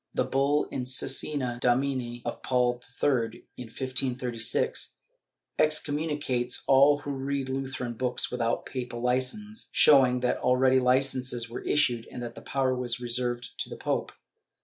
The bull in Cosna Domini of Paul III, in 1536, excom municates all who read Lutheran books without papal licence, showing that already licences were issued and that the power was reserved to the pope.